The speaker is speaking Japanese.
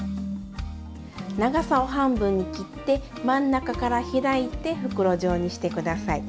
長さを半分に切って真ん中から開いて袋状にして下さい。